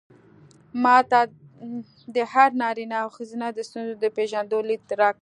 ما ته د هر نارينه او ښځې د ستونزو د پېژندو ليد راکړ.